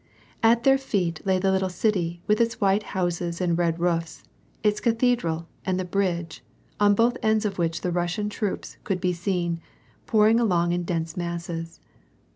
At their feet lay the little city, with its white houses and red roofs, its cathedral, and the bridge, on both ends of which the Russian troops could be seen, pouring along in dense masses.